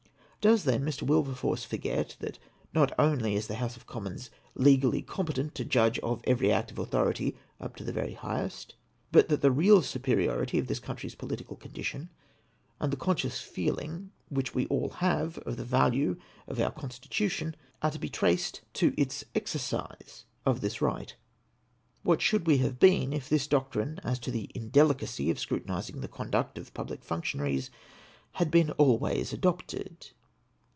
Does, then, Mr. Wilberforce forget, that not only is the House of Commons legally comj^etent to judge of every act of authority up to the very highest, but that the real superiority of this country's political condition, and the conscious feeling which we all have of the value of our con stitution are to be traced to its exercise of this right. What should we have been if this doctrine as to the indelicacy of scrutinising the conduct of public functionaries had been always adopted